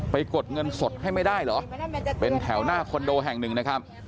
กดเงินสดให้ไม่ได้เหรอเป็นแถวหน้าคอนโดแห่งหนึ่งนะครับ